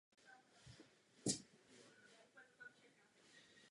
Nikdy nebyl ženat a neměl žádné potomstvo.